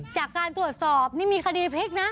จากการตรวจสอบนี่มีคดีพลิกนะ